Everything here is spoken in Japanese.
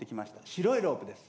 白いロープです。